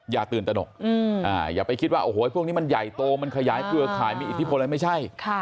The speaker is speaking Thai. อย่าตื่นตนกอย่าไปคิดว่าโอ้โหพวกนี้มันใหญ่โตมันขยายเครือข่ายมีอิทธิพลอะไรไม่ใช่